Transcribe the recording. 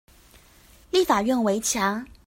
立法院圍牆